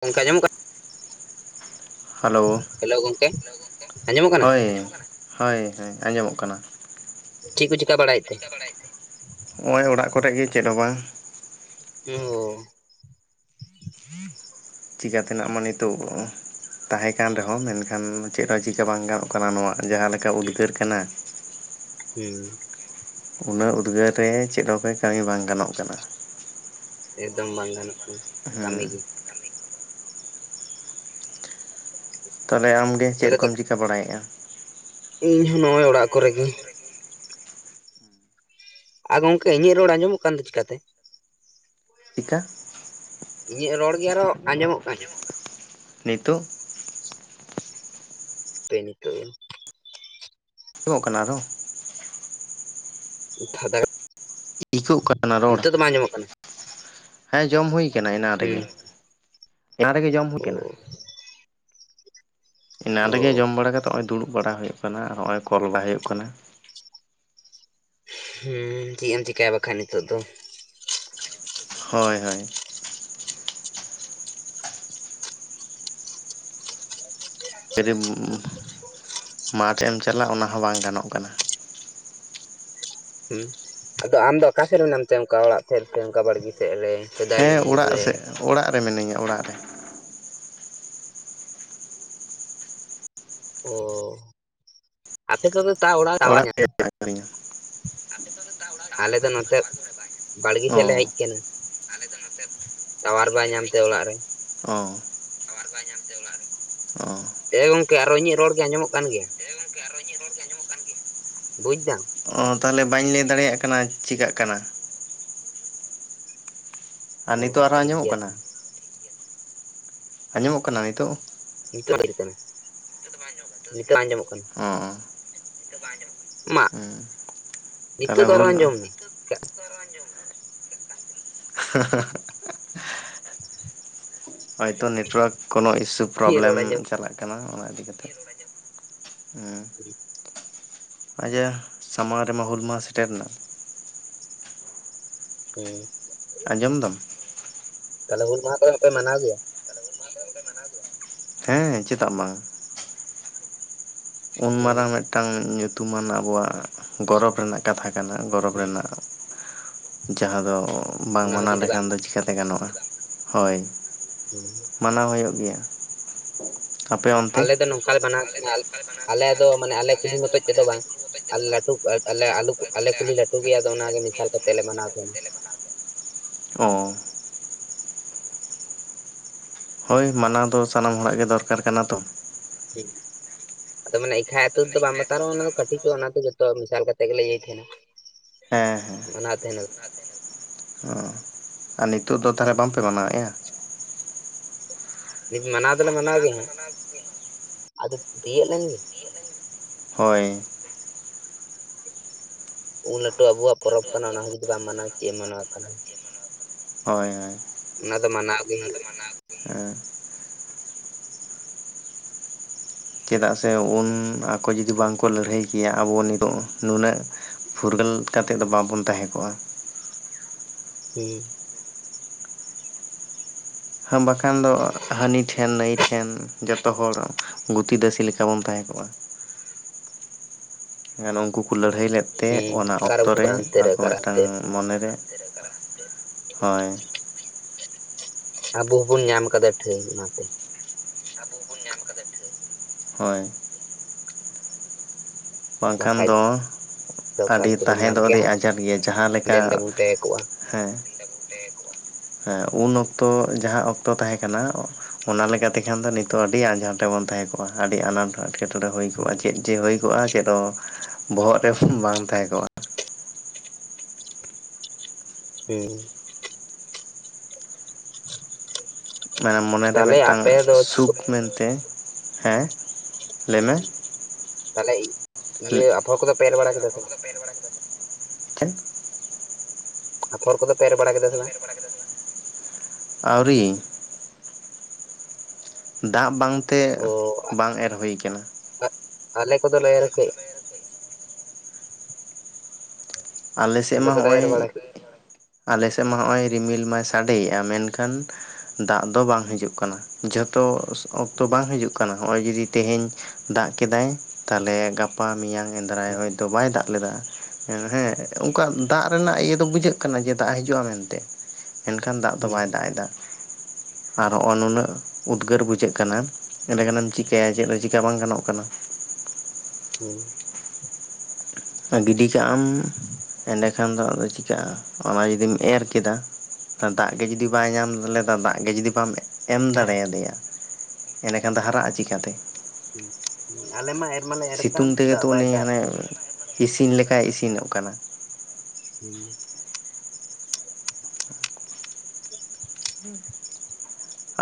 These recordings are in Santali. ᱜᱚᱢᱠᱮ ᱟᱸᱡᱚᱢ ᱦᱮᱞᱳ ᱜᱚᱝᱠᱮ, ᱟᱸᱡᱚᱢᱚᱜ ᱠᱟᱱᱟ? ᱦᱳᱭ ᱦᱳᱭ ᱦᱳᱭ, ᱟᱸᱡᱚᱢᱚᱜ ᱠᱟᱱᱟ ᱾ ᱪᱮᱫ ᱠᱚ ᱪᱮᱠᱟ ᱵᱟᱲᱟᱭᱼᱮᱫ ᱛᱮ? [unintelligible] ᱱᱚᱸᱜᱼᱚᱭ ᱚᱲᱟᱜ ᱠᱚᱨᱮ ᱜᱮ ᱪᱮᱫ ᱦᱚᱸ ᱵᱟᱝ ᱾ ᱦᱳ᱾ ᱪᱤᱠᱟ ᱛᱮᱱᱟᱜ ᱢᱟ ᱱᱤᱛᱚᱜ ᱛᱟᱦᱮᱸ ᱠᱟᱱ ᱨᱮᱦᱚᱸ, ᱢᱮᱱᱠᱷᱟᱱ ᱪᱮᱫ ᱦᱚᱸ ᱪᱤᱠᱟ ᱵᱟᱝ ᱜᱟᱱᱚᱜ ᱠᱟᱱᱟ ᱱᱚᱣᱟ ᱡᱟᱦᱟ ᱞᱮᱠᱟ ᱩᱫᱽᱜᱟᱹᱨ ᱠᱟᱱᱟ ᱾ ᱦᱩᱸ ᱾ ᱩᱱᱟᱹᱜ ᱩᱫᱽᱜᱟᱹᱨ ᱨᱮ ᱪᱮᱫ ᱦᱚᱸ ᱚᱠᱟ ᱠᱟᱹᱢᱤ ᱵᱟᱝ ᱜᱟᱱᱚᱜ ᱠᱟᱱᱟ ᱾ ᱮᱠᱫᱚᱢ ᱵᱟᱝ ᱜᱟᱱᱚᱜᱼᱟ ᱠᱟᱹᱢᱤ ᱦᱮᱸ ᱜᱮ ᱾ ᱛᱟᱦᱚᱞᱮ ᱟᱢᱜᱮ ᱪᱮᱫ ᱛᱟᱦᱚᱞᱮ ᱛᱚ ᱠᱚᱢ ᱪᱤᱠᱟ ᱵᱟᱲᱟᱭᱮᱫᱼᱟ? ᱤᱧ ᱦᱚᱸ ᱱᱚᱜ-ᱚᱭ ᱚᱲᱟᱜ ᱠᱚᱨᱮ ᱜᱮ ᱾ ᱟ ᱜᱚᱢᱠᱮ ᱤᱧᱟᱹᱜ ᱨᱚᱲ ᱟᱸᱡᱚᱢᱚᱜ ᱠᱟᱱ ᱫᱚ ᱪᱮᱠᱟ ᱛᱮ? ᱪᱮᱠᱟ? ᱤᱧᱟᱹᱜ ᱨᱚᱲ ᱜᱮ ᱟᱨᱚ ᱟᱸᱡᱚᱢᱚᱜ ᱠᱟᱱᱟ ᱾ ᱱᱤᱛᱳᱜ? ᱦᱟᱯᱮ ᱱᱤᱛᱳᱜ ᱤᱠᱳᱜ ᱠᱟᱱᱟ ᱟᱨᱚ ᱯᱷᱟᱫᱟ ᱮᱠᱳᱜ ᱠᱟᱱᱟ ᱨᱚᱲ ᱾ ᱡᱚᱢ ᱦᱩᱭ ᱮᱱᱟ, ᱦᱮᱸ ᱡᱚᱢ ᱦᱩᱭ ᱟᱠᱟᱱᱟ ᱮᱱᱟᱝ ᱦᱩᱸ ᱨᱮᱜᱮ, ᱮᱱᱟᱝ ᱨᱮᱜᱮ ᱡᱚᱢ ᱦᱩᱭ ᱚ ᱟᱠᱟᱱᱟ ᱾ ᱮᱱᱟᱝ ᱚ ᱨᱮᱜᱮ ᱡᱚᱢ ᱵᱟᱲᱟ ᱠᱟᱛᱮ ᱱᱚᱜᱼᱚᱭ ᱫᱩᱲᱩᱵ ᱵᱟᱲᱟ ᱦᱩᱭᱩᱜ ᱠᱟᱱᱟ ᱟᱨ ᱱᱚᱜᱼᱚᱭ ᱠᱚᱞ ᱵᱟᱲᱟ ᱦᱩᱭᱩᱜ ᱠᱟᱱᱟ ᱾ ᱦᱩᱸ ᱪᱮᱫ ᱮᱢ ᱪᱤᱠᱟᱹᱭᱟ ᱵᱟᱠᱷᱟᱡ ᱱᱤᱛᱳᱜ ᱫᱚ ᱾ ᱦᱳᱭ ᱦᱳᱭ ᱾ ᱡᱩᱫᱤ ᱢᱟᱴᱷ ᱮᱢ ᱪᱟᱞᱟᱜ ᱚᱱᱟ ᱦᱚᱸ ᱵᱟᱝ ᱜᱟᱱᱚᱜ ᱠᱟᱱᱟ ᱾ ᱦᱩᱸ ᱟᱫᱚ ᱟᱢ ᱫᱚ ᱚᱠᱟ ᱥᱮᱫ ᱨᱮ ᱢᱮᱱᱟᱢ ᱛᱮ, ᱚᱱᱠᱟ ᱚᱲᱟᱜ ᱥᱮᱫ ᱥᱮ ᱚᱱᱠᱟ ᱵᱟᱲᱜᱮ ᱥᱮᱫ ᱨᱮ? ᱥᱮ ᱫᱟᱨᱮ ᱦᱮᱸ ᱩᱢᱩᱞ ᱚᱲᱟᱜ ᱨᱮ ᱥᱮᱫ ᱚᱲᱟᱜ ᱨᱮ ᱢᱤᱱᱟᱹᱧᱟ ᱚᱲᱟᱜ ᱨᱮ ᱾ ᱚ ᱟᱯᱮ ᱥᱮᱫ ᱫᱚ ᱛᱟᱣ ᱚᱲᱟᱜ ᱴᱟᱣᱟᱨ ᱧᱟ [unintelligible] ᱛᱟᱞᱤᱧᱟ᱾ ᱟᱯᱮ ᱥᱮᱫ ᱫᱚ ᱟᱞᱮ ᱫᱚ ᱱᱚᱛᱮ ᱵᱟᱲᱜᱮ ᱥᱮᱫ ᱞᱮ ᱦᱮᱡ ᱟᱠᱟᱱᱟ ᱾ ᱱᱚᱛᱮ ᱵᱟᱲᱜᱮ ᱥᱮᱫ ᱞᱮ ᱧᱟᱢ ᱦᱮᱡ ᱛᱮ ᱚᱲᱟᱜ ᱨᱮ ᱟᱠᱟᱱᱟ ᱾ ᱚ, ᱴᱟᱣᱟᱨ ᱵᱟᱭ ᱧᱟᱢ ᱛᱮ ᱚᱲᱟᱜ ᱨᱮ ᱾ ᱚ ᱦᱮᱸ ᱜᱚᱝᱠᱮ, ᱟᱨᱚ ᱤᱧᱟᱹᱜ ᱨᱚᱲ ᱜᱮ ᱟᱸᱡᱚᱢᱚᱜ ᱠᱟᱱ ᱜᱮᱭᱟ? ᱦᱮᱸ ᱜᱚᱝᱠᱮ, ᱟᱨᱚ ᱤᱧᱟᱜ ᱨᱚᱲ ᱜᱮ ᱟᱸᱡᱚᱢᱚᱜ ᱠᱟᱱ ᱜᱮᱭᱟ? ᱵᱩᱡ ᱫᱟᱢ ᱚ, ᱛᱟᱦᱚᱞᱮ ᱵᱟᱹᱧ ᱞᱟᱹᱭ ᱫᱟᱲᱮᱭᱟᱜ ᱠᱟᱱᱟ ᱪᱤᱠᱟᱹᱜ ᱠᱟᱱᱟ ᱾ ᱟᱨ ᱚ ᱱᱤᱛᱚᱜ ᱟᱨᱦᱚ ᱴᱷᱤᱠ ᱟᱸᱡᱚᱢᱚᱜ ᱜᱮᱭᱟ ᱠᱟᱱᱟ? ᱛᱚᱵᱮ ᱟᱸᱡᱚᱢᱚᱜ ᱠᱟᱱᱟ ᱱᱤᱛᱚᱜ? ᱱᱤᱛᱚᱜ [unintelligible] ᱠᱟᱱᱟ, ᱱᱤᱛᱚᱜ ᱟᱸᱡᱚᱢᱚᱜ ᱠᱟᱱᱟ ᱚ ᱾ ᱢᱟ ᱦᱮᱸ ᱱᱤᱛᱳᱜ ᱫᱚ ᱟᱨᱚ ᱟᱸᱡᱚᱢ ᱮᱱᱟ ᱾ ᱱᱤᱛᱳᱜ ᱫᱚ ᱟᱨᱚ ᱟᱸᱡᱚᱢ ᱮᱱᱟ [unintelligible] ᱦᱟ ᱦᱟ ᱦᱟ ᱾ ᱦᱚᱭᱛᱚ ᱱᱮᱴᱳᱭᱟᱨᱠ ᱠᱳᱱᱳ ᱤᱥᱩ ᱤᱧᱟᱜ ᱯᱨᱚᱵᱞᱮᱢ ᱨᱚᱲ ᱟᱸᱡᱚᱢᱚᱜ ᱪᱟᱞᱟᱜ ᱠᱟᱱᱟ ᱚᱱᱟ ᱤᱫᱤ ᱠᱟᱛᱮᱫ ᱦᱮᱸ ᱦᱩᱸ ᱟᱪᱪᱷᱟ ᱥᱟᱢᱟᱝ ᱨᱮᱢᱟ ᱦᱩᱞ ᱢᱟᱦᱟ ᱥᱮᱴᱮᱨᱱᱟ? ᱦᱩᱸ ᱟᱸᱡᱚᱢ ᱫᱟᱢ? ᱛᱟᱦᱚᱞᱮ ᱦᱩᱞ ᱢᱟᱦᱟ ᱠᱚᱨᱮᱫ ᱯᱮ ᱢᱟᱱᱟᱣ ᱜᱮᱭᱟ? ᱛᱟᱦᱚᱞᱮ ᱦᱩᱞ ᱢᱟᱦᱟ ᱠᱚᱨᱮᱫ ᱯᱮ ᱢᱟᱱᱟᱣ ᱜᱮᱭᱟ? ᱦᱮᱸ ᱪᱮᱫᱟᱜ ᱵᱟᱝ? ᱩᱱ ᱚ ᱢᱟᱨᱟᱝ ᱢᱤᱫᱴᱟᱝ ᱧᱩᱛᱩᱢᱟᱱ ᱟᱵᱚᱣᱟᱜ ᱜᱚᱨᱚᱵᱽ ᱨᱮᱱᱟᱜ ᱠᱟᱛᱷᱟ ᱠᱟᱱᱟ ᱜᱚᱨᱚᱵᱽ ᱨᱮᱱᱟᱜ ᱡᱟᱦᱟᱸ ᱫᱚ ᱵᱟᱝ ᱚᱱᱟ ᱦᱚᱸ ᱢᱟᱱᱟᱣ ᱡᱩᱫᱤ ᱵᱟᱢ ᱞᱮᱠᱷᱟᱱ ᱫᱚ ᱪᱤᱠᱟᱹᱛᱮ ᱜᱟᱱᱚᱜᱼᱟ ᱦᱳᱭ᱾ ᱦᱮᱸ ᱢᱟᱱᱟᱣ ᱦᱳᱭᱳᱜ ᱜᱮᱭᱟ ᱟᱯᱮ ᱚᱱᱛᱮ? ᱟᱞᱮ ᱫᱚ ᱱᱚᱝᱠᱟ ᱞᱮ ᱢᱟᱱᱟᱣ ᱛᱟᱦᱮᱱᱟ ᱟᱞᱮ ᱫᱚ ᱢᱟᱱᱮ [unintelligible] ᱠᱩᱞᱦᱤ ᱟᱞᱮ ᱫᱚ ᱢᱚᱛᱚᱡ ᱢᱟᱱᱮ ᱛᱮᱫᱚ ᱟᱞᱮ ᱵᱟᱝ ᱟᱞᱮ ᱞᱟᱹᱴᱩ ᱟᱞᱮ ᱟᱞᱮ ᱠᱩᱞᱦᱤ ᱞᱟᱹᱴᱩ ᱜᱮᱭᱟ ᱟᱫᱚ ᱚᱱᱟᱜᱮ ᱢᱮᱥᱟᱞ ᱠᱟᱛᱮᱫ ᱞᱮ ᱢᱟᱱᱟᱣ ᱠᱚ᱾ ᱚ‌ ᱦᱳᱭ ᱢᱟᱱᱟᱣ ᱫᱚ ᱥᱟᱱᱟᱢ ᱦᱚᱲᱟᱜ ᱜᱮ ᱫᱚᱨᱠᱟᱨ ᱠᱟᱱᱟ ᱛᱚ᱾ [unintelligible] ᱟᱫᱚ ᱢᱟᱱᱮ ᱮᱠᱷᱟ ᱟᱹᱛᱩ ᱨᱮᱫᱚ ᱵᱟᱢ ᱵᱟᱛᱟᱨᱚᱜᱼᱟ ᱚᱱᱟ ᱫᱚ ᱠᱟᱹᱴᱤᱪᱚᱜᱼᱟ, ᱚᱱᱟ ᱫᱚ ᱡᱚᱛᱚ ᱢᱮᱥᱟᱞ ᱠᱟᱛᱮᱫ ᱜᱮᱞᱮ ᱤᱭᱟᱹᱭ ᱛᱟᱦᱮᱱᱟ᱾ ᱦᱮᱸ ᱦᱮᱸ ᱢᱟᱱᱟᱣ ᱛᱟᱦᱮᱱ ᱟᱞᱮ [inaudible] ᱚ ᱟᱨ ᱱᱤᱛᱚᱜ ᱫᱚ ᱛᱟᱦᱞᱮ ᱵᱟᱝ ᱯᱮ ᱢᱟᱱᱟᱣᱮᱜᱼᱟ? ᱱᱤᱛ ᱢᱟᱱᱟᱣ ᱫᱚᱞᱮ ᱢᱟᱱᱟᱣ ᱜᱮ ᱜᱮᱭᱟ, ᱟᱫᱚ ᱛᱤᱭᱚᱜ ᱞᱮᱱ ᱜᱮ ᱦᱳᱭ ᱩᱱ ᱞᱟᱹᱴᱩ ᱟᱵᱚᱣᱟᱜ ᱯᱚᱨᱚᱵᱽ ᱠᱟᱱᱟ, ᱚᱱᱟ ᱦᱚᱸ ᱡᱩᱫᱤ ᱵᱟᱢ ᱢᱟᱱᱟᱣᱟ, ᱪᱮᱫ ᱮᱢ ᱢᱟᱱᱟᱣᱟ ᱛᱟᱦᱞᱮ? ᱦᱳᱭ ᱦᱳᱭ᱾ ᱚᱱᱟ ᱫᱚ ᱢᱟᱱᱟᱣ ᱜᱮ ᱦᱩᱭᱩᱜᱼᱟ᱾ [unintelligible] ᱦᱮᱸ ᱪᱮᱫᱟᱜ ᱥᱮ ᱩᱱ ᱟᱠᱚ ᱡᱩᱫᱤ ᱵᱟᱝ ᱠᱚ ᱞᱟᱹᱲᱦᱟᱹᱭ ᱠᱮᱭᱟ, ᱟᱵᱚ ᱱᱤᱛᱚᱜ ᱱᱩᱱᱟᱹᱜ ᱯᱷᱩᱨᱜᱟᱹᱞ ᱠᱟᱛᱮᱫ ᱫᱚ ᱵᱟᱵᱚᱱ ᱛᱟᱦᱮᱸ ᱠᱚᱜᱼᱟ᱾ ᱦᱩᱸ ᱦᱟᱸ ᱵᱟᱠᱷᱟᱱ ᱫᱚ ᱦᱟᱹᱱᱤ ᱴᱷᱮᱱ ᱱᱟᱹᱭ ᱴᱷᱮᱱ ᱡᱚᱛᱚ ᱦᱚᱲ ᱜᱩᱛᱤ ᱫᱟᱹᱥᱤ ᱞᱮᱠᱟ ᱵᱚᱱ ᱛᱟᱦᱮᱸ ᱠᱚᱜᱼᱟ᱾ ᱱᱩᱝᱠᱩ ᱠᱚ ᱞᱟᱹᱲᱦᱟᱹᱭ ᱞᱮᱫ ᱦᱩᱸ ᱛᱮ, ᱦᱩᱸ ᱚᱱᱟ ᱚᱠᱟᱨᱮ ᱚᱠᱛᱚ ᱨᱮ ᱠᱟᱱᱟ ᱚᱱᱛᱮ ᱟᱠᱚ ᱚᱠᱟᱨᱮ ᱢᱤᱫᱴᱟᱱ ᱦᱟᱱᱛᱮ ᱢᱚᱱᱮ ᱨᱮ ᱦᱳᱭ ᱟᱵᱚ ᱦᱚᱸᱵᱚᱱ ᱧᱟᱢ ᱠᱟᱫᱟ ᱴᱷᱟᱹᱭ ᱚᱱᱟ ᱛᱮ ᱟᱵᱚ ᱦᱚᱸᱵᱚᱱ ᱧᱟᱢ ᱠᱟᱫᱟ ᱴᱷᱟᱹᱭ᱾ ᱦᱳᱭ᱾ ᱵᱟᱝᱠᱷᱟᱱ ᱵᱟᱠᱷᱟᱡ ᱫᱚ ᱫᱚ ᱚᱠᱟ ᱟᱹᱰᱤ ᱨᱮᱪᱚ ᱵᱚᱱ ᱛᱟᱦᱮᱸ ᱧᱟᱢ ᱫᱚ ᱠᱮᱭᱟ ᱟᱹᱰᱤ ᱟᱡᱟᱴ ᱜᱮᱭᱟ, ᱡᱟᱦᱟᱸ ᱦᱟᱸᱰᱮ ᱞᱮᱠᱟ ᱱᱟᱰᱮ ᱵᱚᱱ ᱛᱟᱦᱮᱸ ᱠᱚᱜᱼᱟ ᱦᱮᱸ [unintelligible] ᱩᱱ ᱚᱠᱛᱚ ᱡᱟᱦᱟᱸ ᱚᱠᱛᱚ ᱛᱟᱦᱮᱸ ᱠᱟᱱᱟ, ᱚᱱᱟ ᱞᱮᱠᱟ ᱛᱮᱠᱷᱟᱱ ᱫᱚ ᱱᱤᱛᱚᱜ ᱟᱹᱰᱤ ᱟᱸᱡᱷᱟᱴ ᱨᱮ ᱵᱚᱱ ᱛᱟᱦᱮᱸ ᱠᱚᱜᱼᱟ᱾ ᱟᱹᱰᱤ ᱟᱱᱟᱴ ᱮᱴᱠᱮᱴᱚᱬᱮ ᱦᱩᱭ ᱠᱚᱜᱼᱟ᱾ ᱪᱮᱫ ᱪᱮ ᱦᱩᱭ ᱠᱚᱜᱼᱟ, ᱪᱮᱫ ᱦᱚᱸ ᱵᱚᱦᱚᱜ ᱨᱮ ᱵᱟᱝ ᱛᱟᱦᱮᱸ ᱠᱚᱜᱼᱟ᱾ ᱦᱩᱸ ᱢᱟᱱᱮ ᱢᱚᱱᱮᱨᱮ ᱛᱟᱦᱚᱞᱮ ᱢᱤᱫᱴᱟᱝ ᱟᱯᱮ ᱫᱚ ᱪᱮᱫ ᱠᱚ ᱥᱩᱠ ᱢᱮᱱᱛᱮ ᱦᱮᱸ ᱞᱟᱹᱭ ᱢᱮ ᱛᱟᱦᱞᱮ ᱤ ᱤᱭᱟᱹ ᱟᱯᱷᱚᱨ ᱠᱚᱫᱚ ᱯᱮᱨ ᱵᱟᱲᱟ ᱠᱮᱫᱟ ᱥᱮ ᱵᱟᱝ? ᱮᱨ ᱵᱟᱲᱟ ᱠᱮᱫᱟ ᱥᱮ ᱵᱟᱝᱼᱟ᱾ ᱪᱮᱫ? ᱟᱯᱷᱚᱨ ᱠᱚᱫᱚ ᱯᱮ ᱮᱨ ᱵᱟᱲᱟ ᱠᱮᱫᱟ ᱥᱮ ᱵᱟᱝ? ᱟᱹᱣᱨᱤ᱾ ᱫᱟᱜ ᱵᱟᱝᱛᱮ ᱵᱟᱝ ᱮᱨ ᱦᱩᱭ ᱠᱟᱱᱟ ᱾ ᱟᱜ ᱟᱞᱮ ᱠᱚᱫᱚ ᱞᱮ ᱮᱨ ᱠᱮᱜ ᱟᱞᱮ ᱥᱮᱫ ᱢᱟ ᱫᱚᱞᱮ ᱮᱨ ᱱᱚᱜᱼᱚᱭ ᱵᱟᱲᱟ ᱠᱮᱫ ᱟᱞᱮ ᱥᱮᱫ ᱢᱟ ᱦᱚᱜᱼᱚᱭ ᱨᱤᱢᱤᱞ ᱢᱟᱭ ᱥᱟᱰᱮᱭᱮᱫᱼᱟ ᱢᱮᱱᱠᱷᱟᱱ ᱫᱟᱜ ᱫᱚ ᱵᱟᱝ ᱦᱤᱡᱩᱜ ᱠᱟᱱᱟ ᱡᱷᱚᱛᱚ ᱚᱠᱛᱚ ᱵᱟᱝ ᱦᱤᱡᱩᱜ ᱠᱟᱱᱟ ᱦᱚᱸᱜ-ᱚᱭ ᱡᱩᱫᱤ ᱛᱮᱦᱮᱧ ᱫᱟᱜ ᱠᱮᱫᱟᱭ ᱛᱟᱦᱞᱮ ᱜᱟᱯᱟ ᱢᱮᱭᱟᱝ ᱮᱸᱫᱫᱨᱟᱭ ᱦᱚᱭ ᱫᱚ ᱵᱟᱭ ᱫᱟᱜ ᱞᱮᱫᱟ ᱦᱮᱸ ᱚᱱᱠᱟ ᱫᱟᱜ ᱨᱮᱱᱟᱜ ᱤᱭᱟᱹ ᱫᱚ ᱵᱩᱡᱷᱟᱹᱜ ᱠᱟᱱᱟ ᱡᱮ ᱫᱟᱜ ᱦᱤᱡᱩᱜᱼᱟ ᱢᱮᱱᱛᱮ ᱢᱮᱱᱠᱷᱟᱱ ᱫᱟᱜ ᱫᱚ ᱵᱟᱭ ᱫᱟᱜ ᱮᱫᱟ ᱟᱨ ᱦᱚᱸᱜ ᱚ ᱱᱩᱱᱟᱹᱜ ᱩᱫᱽᱜᱟᱹᱨ ᱵᱩᱡᱷᱟᱹᱜ ᱠᱟᱱᱟ ᱮᱸᱰᱮ ᱠᱷᱟᱱᱮᱢ ᱪᱤᱠᱟᱹᱭᱟ ᱪᱮᱫ ᱦᱚ ᱪᱤᱠᱟ ᱵᱟᱝ ᱜᱟᱱᱚᱜ ᱠᱟᱱᱟ᱾ ᱦᱩᱸ ᱜᱤᱰᱤ ᱠᱟᱜ ᱟᱢ ᱮᱸᱰᱮᱠᱷᱟᱱ ᱫᱚ ᱟᱫᱚ ᱪᱤᱠᱟᱹᱜᱼᱟ ᱚᱱᱟ ᱡᱩᱫᱤᱢ ᱮᱨ ᱠᱮᱫᱟ᱾ ᱫᱟᱜ ᱜᱮ ᱡᱩᱫᱤ ᱵᱟᱭ ᱧᱟᱢ ᱞᱮᱫᱟ ᱫᱟᱜ ᱜᱮ ᱡᱩᱫᱤ ᱵᱟᱢ ᱮᱢ ᱫᱟᱲᱮᱭᱟᱫᱮᱭᱟ ᱮᱸᱰᱮᱠᱷᱟᱱ ᱫᱚ ᱦᱟᱨᱟᱜᱼᱟ ᱪᱤᱠᱟᱹᱛᱮ? ᱦᱩᱸ ᱦᱩᱸ ᱟᱞᱮ ᱢᱟ ᱢᱟᱞᱮ ᱮᱨ ᱠᱟᱱ ᱥᱤᱛᱩᱝ ᱛᱮᱜᱮ ᱫᱟᱜ ᱛᱚ ᱵᱟᱭ ᱩᱱᱤ ᱫᱟᱜ ᱦᱟᱱᱮ ᱤᱥᱤᱱ ᱞᱮᱠᱟᱭ ᱤᱥᱤᱱᱚᱜ ᱠᱟᱱᱟ᱾ ᱦᱩᱸ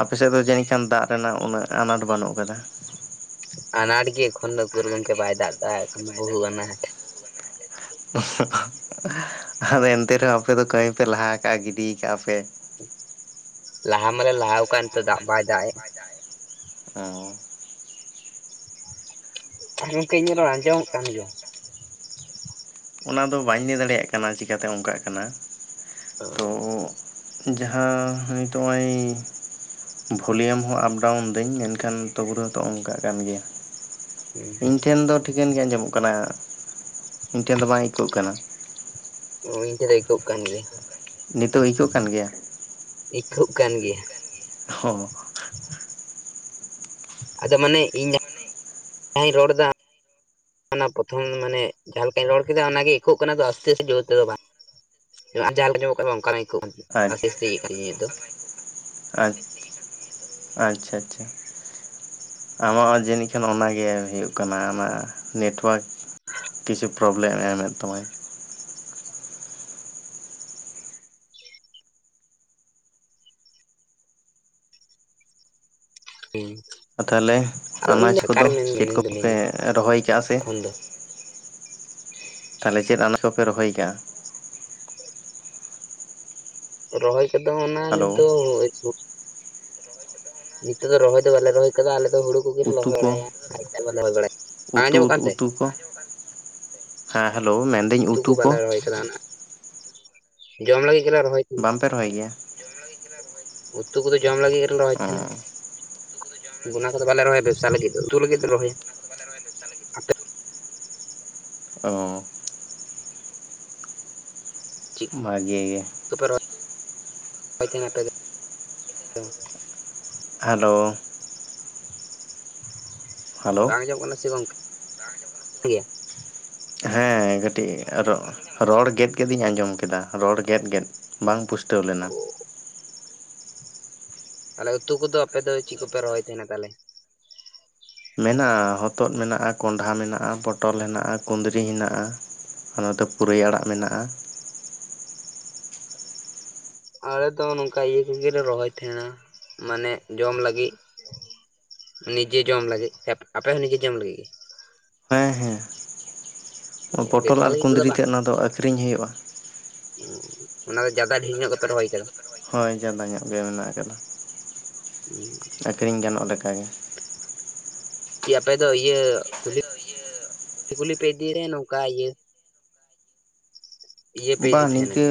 ᱟᱯᱮ ᱥᱮᱫ ᱫᱚ ᱡᱟᱹᱱᱤᱡ ᱠᱷᱟᱱ ᱫᱟᱜ ᱨᱮᱱᱟᱜ ᱩᱱᱟᱹᱜ ᱟᱱᱟᱴ ᱵᱟᱹᱱᱩᱜ ᱠᱟᱫᱟ᱾ ᱟᱱᱟᱴ ᱜᱮ ᱮᱠᱷᱚᱱ ᱫᱚ ᱩᱠᱩᱨ ᱜᱚᱝᱠᱮ ᱵᱟᱭ ᱫᱟᱜ ᱫᱟ ᱮᱠᱷᱚᱱ ᱫᱚ ᱵᱚᱦᱩ ᱟᱱᱟᱴ᱾ ᱟᱫᱚ ᱮᱱᱛᱮ ᱨᱮ ᱦᱚᱸ ᱟᱯᱮ ᱫᱚ ᱠᱟᱹᱢᱤ ᱯᱮ ᱞᱟᱦᱟ ᱠᱟᱜ-ᱟ ᱜᱤᱰᱤ ᱟᱠᱟᱜ ᱟᱯᱮ ᱞᱟᱦᱟ ᱢᱟᱞᱮ ᱞᱟᱦᱟᱣ ᱠᱟᱱ ᱱᱤᱛᱚᱜ ᱫᱟᱜ ᱵᱟᱭ ᱵᱟᱭ ᱫᱟᱜ ᱮᱫ᱾ ᱡᱟᱭ ᱚᱸᱻ ᱜᱚᱝᱠᱮ ᱤᱧᱟᱜ ᱨᱚᱲ ᱟᱸᱡᱚᱢ ᱟᱸᱡᱚᱢᱚᱜ ᱠᱟᱱᱟ᱾ ᱚᱱᱟ ᱫᱚ ᱵᱟᱹᱧ ᱞᱟᱹᱭ ᱫᱟᱲᱮᱭᱟᱜ ᱠᱟᱱᱟ ᱪᱤᱠᱟᱹᱛᱮ ᱚᱱᱠᱟᱜ ᱠᱟᱱᱟ ᱛᱳ ᱚ ᱡᱟᱦᱟᱸ ᱱᱤᱛ ᱱᱚᱜᱼᱚᱭ ᱵᱷᱚᱞᱤᱭᱟᱹᱢ ᱦᱚᱸ ᱟᱯ ᱰᱟᱣᱩᱱ ᱫᱟᱹᱧ ᱢᱮᱱᱠᱷᱟᱱ ᱛᱚᱵᱩ ᱨᱮᱦᱚᱸ ᱛᱚ ᱚᱱᱠᱟᱜ ᱠᱟᱱ ᱜᱮᱭᱟ᱾ ᱦᱩᱸ ᱤᱧ ᱴᱷᱮᱱ ᱫᱚ ᱴᱷᱤᱠᱟᱹᱱ ᱜᱮ ᱟᱸᱡᱚᱢᱚᱜ ᱠᱟᱱᱟ ᱤᱧ ᱴᱷᱮᱱ ᱫᱚ ᱵᱟᱝ ᱤᱠᱳᱜ ᱠᱟᱱᱟ᱾ ᱚ ᱤᱧ ᱴᱷᱮᱱ ᱫᱚ ᱤᱠᱳᱜ ᱠᱟᱱ ᱜᱮᱭᱟ᱾ ᱱᱤᱛᱚᱜ ᱤᱠᱳᱜ ᱠᱟᱱ ᱜᱮᱭᱟ᱾ ᱤᱠᱳᱜ ᱠᱟᱱ ᱜᱮᱭᱟ᱾ ᱦᱚᱸ᱾ ᱟᱫᱚ ᱢᱟᱱᱮ ᱤᱧ ᱡᱟᱦᱟᱸᱧ ᱨᱚᱲ ᱫᱟ ᱚᱱᱟ ᱯᱨᱚᱛᱷᱚᱢ ᱢᱟᱱᱮ ᱡᱟᱦᱟᱸ ᱞᱮᱠᱟᱧ ᱨᱚᱲ ᱠᱮᱫᱟ ᱚᱱᱟ ᱜᱮ ᱤᱠᱳᱜ ᱠᱟᱱᱟ ᱟᱥᱛᱮ ᱟᱥᱛᱮ ᱡᱳᱨ ᱛᱮ ᱫᱚ ᱵᱟᱝ᱾ ᱡᱟᱦᱟᱸ ᱠᱚ ᱧᱟᱢᱚᱜ ᱠᱟᱱᱟ ᱚᱱᱠᱟᱱᱟᱜ ᱜᱮ ᱟᱪ ᱤᱠᱚᱜ ᱠᱟᱱ ᱫᱚ ᱟᱪ ᱟᱪᱪᱷᱟ ᱟᱪᱪᱷᱟ᱾ ᱟᱢᱟᱜ ᱦᱚᱸ ᱡᱟᱹᱱᱤᱡ ᱠᱷᱟᱱ ᱚᱱᱟ ᱜᱮ ᱦᱳᱭᱳᱜ ᱠᱟᱱᱟ ᱟᱢᱟᱜ ᱱᱮᱴᱳᱣᱟᱨᱠ ᱠᱤᱪᱷᱩ ᱯᱨᱚᱵᱞᱮᱢ ᱮᱢᱮᱫ ᱛᱟᱢᱟᱭ᱾ ᱩᱸ ᱟᱫᱚ ᱛᱟᱦᱚᱞᱮ ᱟᱱᱟᱡᱽ ᱠᱚᱫᱚ ᱪᱮᱫ ᱫᱚ ᱠᱚᱯᱮ ᱢᱤᱱᱟᱹᱧᱟ ᱨᱚᱦᱚᱭ ᱠᱟᱜ-ᱟ ᱥᱮ ᱮᱠᱷᱚᱱ ᱫᱚ ᱛᱟᱦᱚᱞᱮ ᱪᱮᱫ ᱟᱱᱟᱡᱽ ᱠᱚᱯᱮ ᱨᱚᱦᱚᱭ ᱠᱟᱜ-ᱟ? ᱨᱚᱦᱚᱭ ᱠᱚᱫᱚ ᱚᱱᱟ ᱱᱤᱛ ᱦᱮᱞᱳ ᱫᱚ ᱱᱤᱛᱚᱜ ᱫᱚ ᱨᱚᱦᱚᱭ ᱫᱚ ᱵᱟᱞᱮ ᱨᱚᱦᱚᱭ ᱠᱚᱫᱚ ᱟᱞᱮ ᱫᱚ ᱦᱩᱲᱩ ᱠᱚᱜᱮ ᱞᱮ ᱩᱛᱩ ᱨᱚᱦᱚᱭ ᱠᱚ ᱵᱟᱲᱟᱭᱟ ᱟᱨ ᱵᱟᱝ ᱠᱷᱟᱱ ᱵᱟᱞᱮ ᱨᱚᱦᱚᱭ ᱵᱟᱲᱟᱭᱟ ᱵᱟᱝ ᱩᱛᱩ ᱟᱸᱡᱚᱢᱚᱜ ᱠᱟᱱᱛᱮ ᱩᱛᱩ ᱠᱚ ᱦᱮᱸ ᱦᱮᱞᱳ ᱢᱮᱱ ᱫᱟᱹᱧ ᱩᱛᱩ ᱠᱚ ᱠᱮᱫᱟ ᱱᱟᱜ ᱡᱚᱢ ᱞᱟᱹᱜᱤᱫ ᱜᱮᱞᱮ ᱨᱚᱦᱚᱭ ᱛᱟᱦᱮᱸ ᱵᱟᱝ ᱯᱮ ᱨᱚᱦᱚᱭ ᱜᱮᱭᱟ᱾ ᱩᱛᱩ ᱠᱚᱫᱚ ᱡᱚᱢ ᱞᱟᱹᱜᱤᱫ ᱜᱮᱞᱮ ᱨᱚᱦᱚᱭ ᱚ ᱛᱟᱦᱮᱱᱟ᱾ ᱚᱱᱟ ᱠᱚ ᱫᱚ ᱵᱟᱞᱮ ᱨᱚᱦᱚᱭᱟ ᱵᱮᱵᱽᱥᱟ ᱞᱟᱹᱜᱤᱫ ᱫᱚ ᱩᱛᱩ ᱞᱟᱹᱜᱤᱫ ᱫᱚ ᱨᱚᱦᱚᱭᱟ᱾ ᱟᱞᱮ ᱫᱚ ᱵᱟᱞᱮ ᱨᱚᱦᱚᱭᱟ ᱵᱮᱵᱽᱥᱟ ᱞᱟᱹᱜᱤᱫ ᱫᱟᱜ ᱟᱯᱮ ᱩᱛᱩ ᱚ ᱪᱮᱫ ᱵᱷᱟᱜᱮ ᱜᱮ ᱠᱚᱯᱮ ᱨᱚᱦᱚᱭ ᱛᱟᱦᱮᱸᱱ ᱟᱯᱮ ᱫᱚ ᱦᱮᱞᱳ ᱦᱮᱞᱳ ᱵᱟᱝ ᱟᱸᱡᱚᱢᱚᱜ ᱠᱟᱱᱟ ᱥᱮ ᱜᱚᱢᱠᱮ [inaudible] ᱦᱮᱸ ᱠᱟᱹᱴᱤᱡ ᱟᱨᱚ ᱨᱚᱲ ᱜᱮᱫ ᱜᱮᱫ ᱤᱧ ᱟᱸᱡᱚᱢ ᱠᱮᱫᱟ ᱨᱚᱲ ᱜᱮᱫ ᱜᱮᱫ ᱵᱟᱝ ᱯᱩᱥᱴᱟᱹᱣ ᱞᱮᱱᱟ [inaudible] ᱛᱟᱦᱚᱞᱮ ᱩᱛᱩ ᱠᱚᱫᱚ ᱟᱯᱮ ᱫᱚ ᱪᱮᱫ ᱠᱚ ᱯᱮ ᱨᱚᱦᱚᱭ ᱛᱟᱦᱮᱱᱟ ᱛᱟᱦᱚᱞᱮ ᱢᱮᱱᱟᱜ-ᱟ ᱦᱚᱛᱚᱫ ᱢᱮᱱᱟᱜ-ᱟ ᱠᱚᱸᱰᱷᱟ ᱢᱮᱱᱟᱜ-ᱟ ᱯᱚᱴᱚᱞ ᱢᱮᱱᱟᱜ-ᱟ ᱠᱩᱸᱫᱽᱨᱤ ᱦᱮᱱᱟᱜ-ᱟ ᱟᱨ ᱱᱤᱛᱚᱜ ᱯᱩᱨᱟᱹᱭ ᱟᱲᱟᱜ ᱢᱮᱱᱟᱜ-ᱟ ᱟᱞᱮ ᱫᱚ ᱱᱚᱝᱠᱟ ᱤᱭᱟᱹ ᱠᱚ ᱜᱮ ᱞᱮ ᱨᱚᱦᱚᱭ ᱛᱟᱦᱮᱸᱱᱟ ᱢᱟᱱᱮ ᱡᱚᱢ ᱞᱟᱹᱜᱤᱫ ᱱᱤᱡᱮ ᱡᱚᱢ ᱞᱟᱹᱜᱤᱫ ᱟᱯᱮ ᱦᱚᱸ ᱱᱤᱡᱮ ᱡᱚᱢ ᱞᱟᱹᱜᱤᱫ ᱜᱮ ᱦᱮᱸ ᱦᱮᱸ ᱚ ᱯᱚᱴᱚᱞ ᱵᱮᱵᱽᱥᱟ ᱟᱨ ᱞᱟᱹᱜᱤᱫ ᱠᱚᱫᱚ ᱠᱩᱸᱫᱽᱨᱤ ᱵᱟᱝ ᱛᱮᱫ ᱚᱱᱟ ᱫᱚ ᱟᱹᱠᱷᱨᱤᱧ ᱦᱩᱭᱩᱜ-ᱟ ᱚᱱᱟ ᱫᱚ ᱡᱟᱫᱟ ᱰᱷᱤᱨ ᱧᱚᱸᱜ ᱜᱮ ᱯᱮ ᱨᱚᱦᱚᱭ ᱠᱟᱫᱟ ᱦᱚᱭ ᱡᱟᱫᱟ ᱧᱚᱸᱜ ᱜᱮ ᱢᱮᱱᱟᱜ ᱟᱠᱟᱫᱟ, [inaudible] ᱟᱹᱠᱷᱨᱤᱧ ᱜᱟᱱᱚᱜ ᱞᱮᱠᱟ ᱜᱮ ᱠᱤ ᱟᱯᱮ ᱫᱚ ᱤᱭᱟᱹ ᱠᱩᱞᱦᱤ ᱠᱩᱞᱦᱤ ᱯᱮ ᱤᱫᱤ ᱱᱚᱝᱠᱟ ᱤᱭᱟᱹ ᱯᱮ ᱵᱟᱝ ᱤᱫᱤ ᱤᱭᱟᱹ ᱛᱟᱦᱮᱱᱟ ᱱᱤᱝᱠᱟᱹ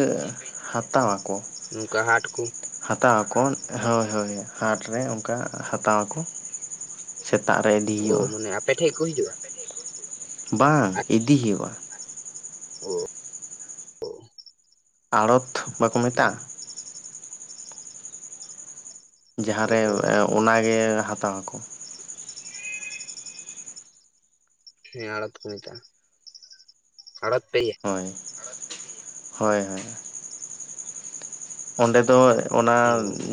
ᱦᱟᱛᱟ ᱣᱟᱠᱚ ᱱᱚᱝᱠᱟ ᱦᱟᱴ ᱠᱚ ᱦᱟᱛᱟ ᱣᱟᱠᱚ ᱦᱳᱭ ᱦᱳᱭ ᱦᱟᱴ ᱨᱮ ᱚᱝᱠᱟ ᱦᱟᱛᱟ ᱣᱟᱠᱚ ᱥᱮᱛᱟᱜ ᱨᱮ ᱤᱫᱤ ᱳ ᱢᱟᱱᱮ ᱟᱯᱮ ᱴᱷᱮᱡ ᱠᱚ ᱦᱤᱡᱩᱜ-ᱟ ᱵᱟᱝ ᱤᱫᱤ ᱦᱩᱭᱩᱜ-ᱟ ᱟᱲᱚᱛ ᱵᱟᱠᱚ ᱢᱮᱛᱟᱜ-ᱟ ᱡᱟᱦᱟᱸ ᱚ ᱨᱮ ᱚᱱᱟ ᱜᱮ ᱦᱟᱛᱟ ᱣᱟᱠᱚ, ᱦᱮᱸ ᱟᱲᱚᱛ ᱠᱚ ᱢᱮᱛᱟᱜ-ᱟ ᱟᱲᱚᱛ ᱯᱮ ᱤᱭᱟᱹ ᱦᱚᱭ ᱦᱚᱭ ᱦᱚᱭ ᱚᱸᱰᱮ ᱫᱚ ᱚᱱᱟ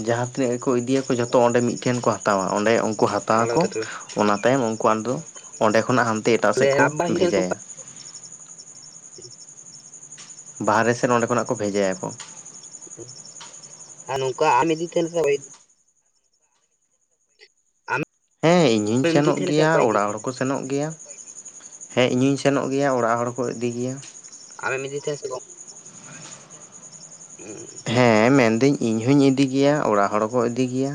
ᱡᱟᱦᱟᱸ ᱛᱤᱱᱟᱹᱜ ᱜᱮ ᱠᱚ ᱤᱫᱤᱭᱟ ᱠᱚ ᱡᱚᱛᱚ ᱚᱸᱰᱮ ᱢᱤᱫ ᱴᱷᱮᱱ ᱠᱚ ᱦᱟᱛᱟᱣᱟ ᱚᱸᱰᱮ ᱠᱚ ᱦᱟᱛᱟ ᱟᱲᱚᱛ ᱣᱟᱠᱚ ᱨᱮ ᱛᱟᱦᱞᱮ ᱚᱱᱟ ᱛᱟᱭᱚᱢ ᱩᱱᱠᱩ ᱟᱫᱚ ᱚᱸᱰᱮ ᱠᱷᱚᱱᱟᱜ ᱦᱟᱱᱛᱮ ᱮᱴᱟᱜ ᱥᱮᱜ ᱠᱚ ᱞᱟᱵ ᱵᱟᱭ ᱦᱩᱭ ᱞᱮᱱ ᱱᱚᱝᱠᱟ ᱵᱷᱮᱡᱟᱭᱟ [inaudible] ᱵᱟᱦᱨᱮ ᱥᱮᱫ ᱚᱸᱰᱮ ᱠᱷᱚᱱᱟᱜ ᱠᱚ ᱵᱷᱮᱡᱟᱭᱟ ᱠᱚ ᱟᱨ ᱱᱚᱝᱠᱟ ᱟᱢ ᱤᱫᱤ ᱛᱟᱦᱮᱱ [inaudible] ᱦᱮᱸ ᱤᱧ ᱦᱩᱧ ᱟᱢᱮᱢ ᱤᱫᱤ ᱥᱮᱱᱚᱜ ᱛᱟᱦᱮᱱᱟ ᱥᱮ ᱜᱮᱭᱟ ᱚᱠᱚᱭ ᱤᱫᱤ ᱚᱲᱟᱜ ᱦᱚᱲ ᱦᱚᱸ ᱛᱟᱦᱮᱱᱟ ᱠᱚ ᱥᱮᱱᱚᱜ ᱜᱮᱭᱟ ᱦᱮᱸ ᱤᱧ ᱦᱩᱸᱧ ᱥᱮᱱᱚᱜ ᱜᱮᱭᱟ ᱚᱲᱟᱜ ᱦᱚᱲ ᱠᱚ ᱤᱫᱤ ᱜᱮᱭᱟ ᱟᱢ ᱮᱢ ᱤᱫᱤ ᱛᱟᱦᱮᱸᱜ ᱥᱮ ᱜᱚᱝ ᱦᱮᱸ ᱢᱮᱱ ᱫᱤᱹᱧ ᱤᱧ ᱦᱚᱸᱧ ᱤᱫᱤ ᱜᱮᱭᱟ ᱚᱲᱟᱜ ᱦᱚᱲ ᱦᱚᱸ ᱠᱚ ᱤᱫᱤ ᱜᱮᱭᱟ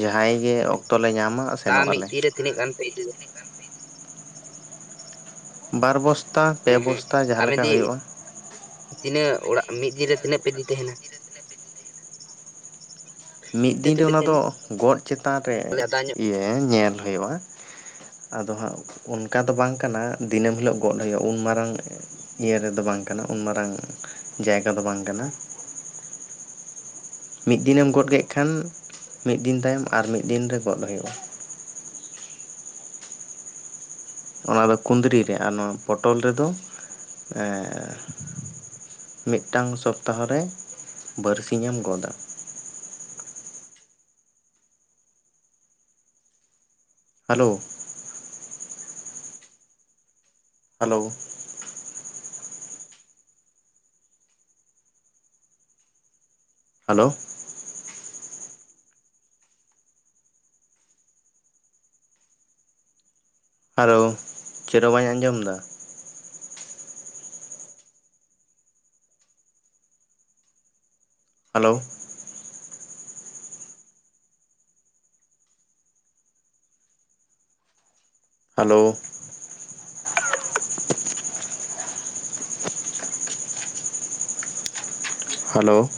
ᱡᱟᱦᱟᱸᱭ ᱜᱮ ᱚᱠᱛᱚ ᱞᱮ ᱧᱟᱢᱟ ᱛᱟ ᱥᱮᱱᱚᱜ ᱢᱤᱫ ᱟᱞᱮ ᱫᱤᱱ ᱨᱮ ᱛᱤᱱᱟᱹᱜ ᱜᱟᱱ ᱯᱮ ᱤᱫᱤᱭᱟ ᱵᱟᱨ ᱵᱚᱥᱛᱟ ᱯᱮ ᱦᱮᱸ ᱦᱮᱸ ᱵᱚᱥᱛᱟ ᱡᱟᱦᱟᱸ ᱟᱢ ᱞᱮᱠᱟ ᱤᱫᱤ ᱦᱳᱭᱳᱜ-ᱟ ᱛᱤᱱᱟᱹᱜ ᱚᱲᱟᱜ ᱢᱤᱫ ᱫᱤᱱ ᱨᱮ ᱛᱤᱱᱟᱹᱜ ᱯᱮ ᱤᱫᱤ ᱛᱟᱦᱮᱸᱱᱟ ᱢᱤᱫ ᱛᱤᱱᱟᱹᱜ ᱫᱤᱱ ᱨᱮ ᱯᱮ ᱚᱱᱟ ᱛᱟᱦᱮᱱᱟ ᱫᱚ ᱜᱚᱫ ᱪᱮᱛᱟᱱ ᱨᱮ ᱟᱫᱟᱧ ᱤᱭᱟᱹ ᱦᱮᱸ ᱧᱮᱞ ᱦᱳᱭᱳᱜ-ᱟ ᱟᱫᱚ ᱦᱟᱸᱜ ᱚᱱᱠᱟ ᱫᱚ ᱵᱟᱝ ᱠᱟᱱᱟ ᱫᱤᱱᱟᱹᱢ ᱦᱤᱞᱳᱜ ᱜᱚᱫ ᱦᱩᱭᱩᱜ-ᱟ ᱩᱱ ᱢᱟᱨᱟᱝ ᱤᱭᱟᱹ ᱨᱮ ᱫᱚ ᱵᱟᱝ ᱠᱟᱱᱟ ᱩᱱ ᱢᱟᱨᱟᱝ ᱡᱟᱭᱜᱟ ᱫᱚ ᱵᱟᱝ ᱠᱟᱱᱟ ᱢᱤᱫ ᱫᱤᱱᱮᱢ ᱜᱚᱫ ᱠᱮᱜ ᱠᱷᱟᱱ ᱢᱤᱫ ᱫᱤᱱ ᱛᱟᱭᱚᱢ ᱟᱨ ᱢᱤᱫ ᱫᱤᱱ ᱨᱮ ᱜᱚᱫ ᱦᱳᱭᱳᱜ-ᱟ ᱚᱱᱟ ᱫᱚ ᱠᱩᱸᱫᱽᱨᱤ ᱨᱮ ᱟᱨ ᱱᱚᱣᱟ ᱯᱚᱴᱚᱞ ᱨᱮ ᱫᱚ ᱮᱸᱻ ᱢᱤᱫᱴᱟᱝ ᱥᱚᱯᱛᱟᱦᱚ ᱨᱮ ᱵᱟᱨᱥᱤᱧ ᱮᱢ ᱜᱚᱫᱟ ᱦᱟᱞᱳ ᱦᱟᱞᱳ ᱦᱟᱞᱳ᱾ ᱦᱟᱞᱳ, ᱪᱮᱫ ᱦᱚᱸ ᱵᱟᱹᱧ ᱟᱸᱡᱚᱢ ᱫᱟ᱾ ᱦᱟᱞᱳ᱾ ᱦᱟᱞᱳ᱾ ᱦᱟᱞᱳ᱾